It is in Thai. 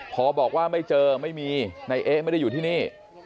พอบอกว่าไม่เจอไม่มีนายเอ๊ะไม่ได้อยู่ที่นี่